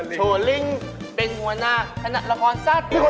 โจริงเป็นหัวหน้าธนาคละครสัตว์